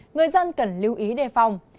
người dân cần lưu ý đề phòng